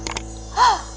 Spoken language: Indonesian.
bunga mawar merah